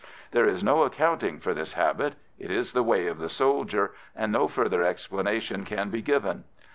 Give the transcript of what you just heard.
There is no accounting for this habit; it is the way of the soldier, and no further explanation can be given.